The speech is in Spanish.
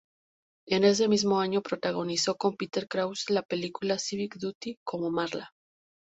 En ese mismo año protagonizó con Peter Krause la película "Civic Duty", como Marla.